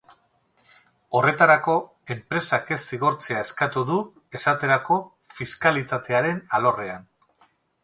Horretarako, enpresak ez zigortzea eskatu du, esaterako, fiskalitatearen alorrean.